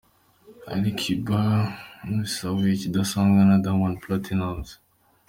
Ali Kiba ibasiwe bidasanzwe na Diamond Platnumz.